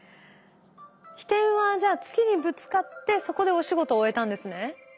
ひてんはじゃあ月にぶつかってそこでお仕事を終えたんですね。